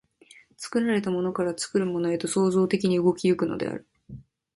作られたものから作るものへと創造的に動き行くのである。